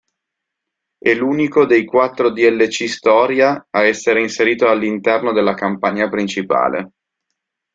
È l'unico dei quattro dlc-storia a essere inserito all'interno della campagna principale.